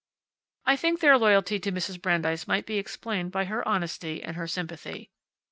I think their loyalty to Mrs. Brandeis might be explained by her honesty and her sympathy.